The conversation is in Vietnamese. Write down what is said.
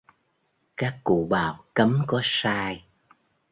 Các cụ bảo cấm có sai